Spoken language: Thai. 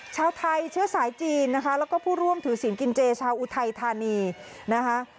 ชาวไทยเชื้อสายจีนนะคะแล้วก็ผู้ร่วมถือศีลกินเจชาวอุทัยธานีนะคะ